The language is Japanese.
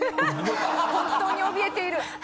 本当におびえている。